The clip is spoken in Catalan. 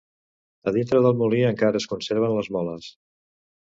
A dintre del molí encara es conserven les moles.